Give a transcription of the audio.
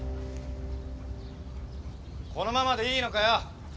このままでいいのかよ。